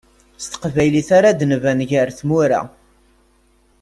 S teqbaylit ara d-nban gar tmura.